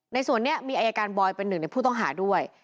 ในส่วนนี้มีอายการบอยเป็นหนึ่งในผู้ต้องหาด้วย